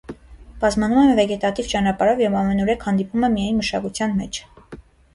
Բազմանում է վեգետատիվ ճանապարհով և ամենուրեք հանդիպում է միայն մշակության մեջ։